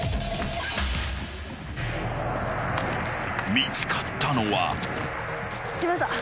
［見つかったのは］来ました。